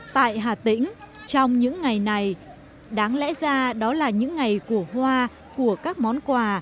tại hà tĩnh trong những ngày này đáng lẽ ra đó là những ngày của hoa của các món quà